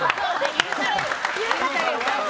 許される。